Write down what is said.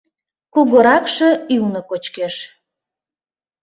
Кугуракше ӱлнӧ кочкеш.